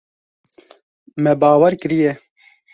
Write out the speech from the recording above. Me bawer kiriye.